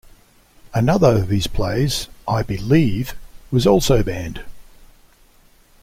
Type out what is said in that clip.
Another of his plays "I Believe", was also banned.